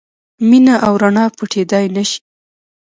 مینه او رڼا پټېدای نه شي.